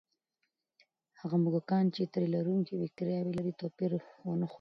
هغه موږکان چې د تیلرونکي بکتریاوې لري، توپیر ونه ښود.